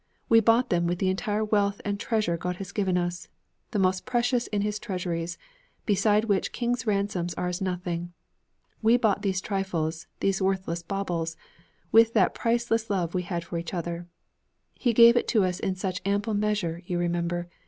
We bought them with the entire wealth and treasure God had given us the most precious in his treasuries, beside which kings' ransoms are as nothing. We bought these trifles, these worthless baubles, with the priceless love we had for each other. He gave it to us in such ample measure, you remember.